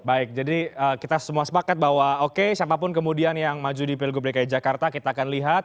baik jadi kita semua sepakat bahwa oke siapapun kemudian yang maju di pilgub dki jakarta kita akan lihat